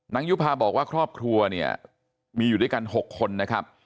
ยุภาบอกว่าครอบครัวเนี่ยมีอยู่ด้วยกัน๖คนนะครับ